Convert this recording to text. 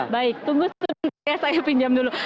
baik tunggu sebentar saya pinjam dulu